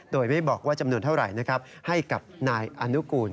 โดยไม่บอกว่าจำนวนเท่าไหร่นะครับให้กับนายอนุกูล